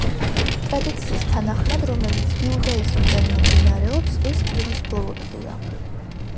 ტრადიციის თანახმად, რომელიც იუდაიზმიდან მომდინარეობს, ეს კვირის ბოლო დღეა.